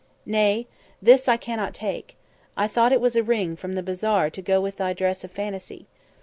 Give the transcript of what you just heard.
"Nay, this I cannot take. I thought it was a ring from the bazaar to go with thy dress of fantasy.